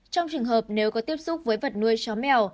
trong trường hợp nếu có tiếp xúc với vật nuôi chó mèo